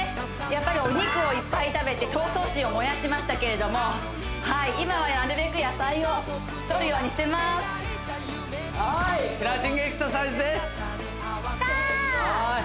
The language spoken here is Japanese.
やっぱりお肉をいっぱい食べて闘争心を燃やしましたけれども今はなるべく野菜をとるようにしてまーすはいクラウチングエクササイズですきたー！